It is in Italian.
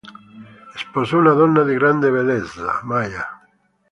Sposò una donna di grande bellezza, Maya.